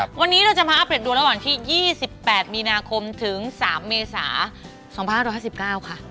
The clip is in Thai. วันนี้เราจะมาอัปเดตดวงระหว่างวันที่๒๘มีนาคมถึง๓เมษา๒๕๕๙ค่ะ